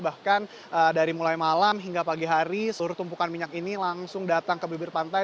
bahkan dari mulai malam hingga pagi hari seluruh tumpukan minyak ini langsung datang ke bibir pantai